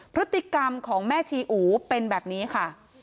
พฤติกรรมของแม่ชีอู๋เป็นแบบนี้ค่ะ